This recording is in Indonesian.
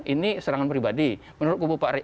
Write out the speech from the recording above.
ini serangan pribadi menurut kubu pak